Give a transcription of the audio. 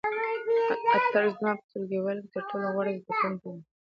اتل زما په ټولګیوالو کې تر ټولو غوره زده کوونکی دی.